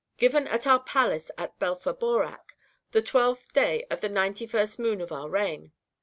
Given at our palace at Belfaborac, the twelfth day of the ninety first moon of our reign.